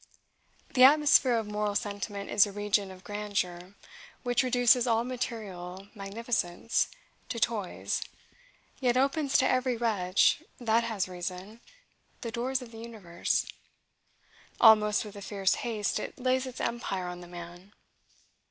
The atmosphere of moral sentiment is a region of grandeur which reduces all material magnificence to toys, yet opens to every wretch that has reason, the doors of the universe. Almost with a fierce haste it lays its empire on the man.